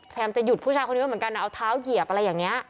จะหยุดผู้ชายคนนี้เหมือนกันเอาเท้าเหยียบอะไรอย่างนี้